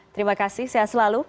terima kasih sehat selalu